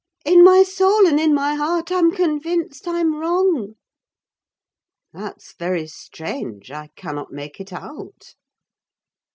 In my soul and in my heart, I'm convinced I'm wrong!" "That's very strange! I cannot make it out."